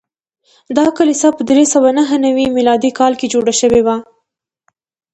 دا کلیسا په درې سوه نهه نوي میلادي کال کې جوړه شوې وه.